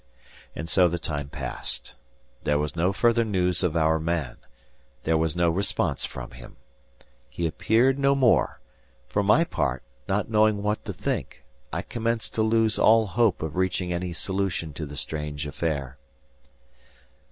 And so the time passed. There was no further news of our man, there was no response from him. He appeared no more. For my part, not knowing what to think, I commenced to lose all hope of reaching any solution to the strange affair.